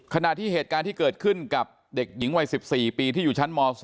ขณะที่เหตุการณ์ที่เกิดขึ้นกับเด็กหญิงวัย๑๔ปีที่อยู่ชั้นม๒